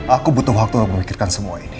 aku butuh waktu untuk memikirkan semua ini